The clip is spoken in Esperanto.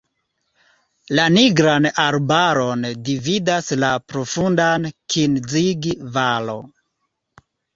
La Nigran arbaron dividas la profunda Kinzig-valo.